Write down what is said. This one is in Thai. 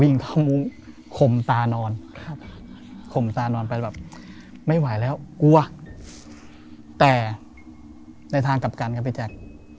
ท่อมุ้งข่มตานอนครับข่มตานอนไปแบบไม่ไหวแล้วกลัวแต่ในทางกลับกันครับพี่แจ๊ค